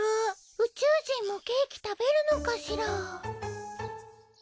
宇宙人もケーキ食べるのかしら？